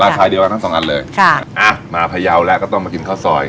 ชายเดียวกันทั้งสองอันเลยค่ะอ่ะมาพยาวแล้วก็ต้องมากินข้าวซอย